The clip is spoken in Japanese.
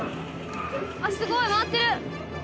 すごい回ってる。